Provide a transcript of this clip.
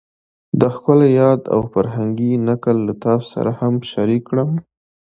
دا ښکلی یاد او فرهنګي نکل له تاسو سره هم شریک کړم